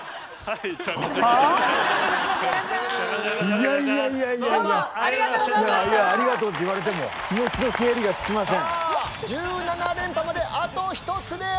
いやいや「ありがとう」って言われてもさあ１７連覇まであと１つであります。